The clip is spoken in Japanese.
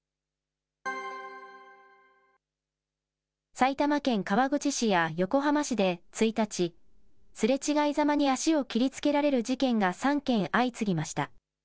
埼玉県川口市や横浜市で１日、すれ違いざまに足を切りつけられる事件が３件相次ぎました。